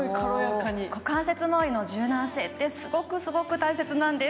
股関節周りの柔軟性って、すごくすごく大切なんです。